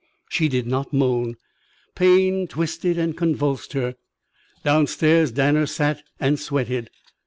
She did not moan. Pain twisted and convulsed her. Downstairs Danner sat and sweated.